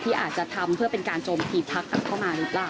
ที่อาจจะทำเพื่อเป็นการโจมตีพลังประชารัฐเข้ามาหรือเปล่า